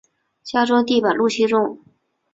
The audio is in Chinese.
家中的地板露气重